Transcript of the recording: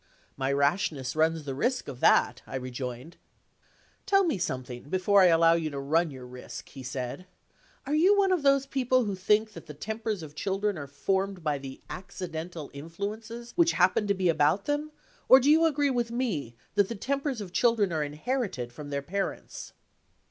"My rashness runs the risk of that," I rejoined. "Tell me something, before I allow you to run your risk," he said. "Are you one of those people who think that the tempers of children are formed by the accidental influences which happen to be about them? Or do you agree with me that the tempers of children are inherited from their parents?"